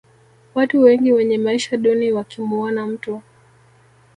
watu wengi wenye maisha duni wakimuona mtu